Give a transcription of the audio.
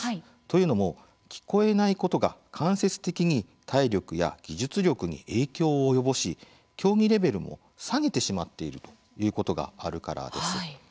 というのも聞こえないことが間接的に体力や技術力に影響を及ぼし競技レベルを下げてしまっているということがあるからです。